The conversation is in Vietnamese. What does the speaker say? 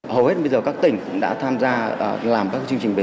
hầu hết bây giờ các tỉnh đã tham gia